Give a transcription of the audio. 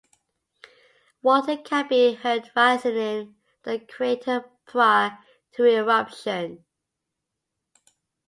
Water can be heard rising in the crater prior to eruption.